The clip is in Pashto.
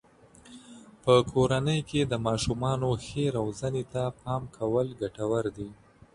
په کورنۍ کې د ماشومانو ښې روزنې ته پام کول ګټور دی.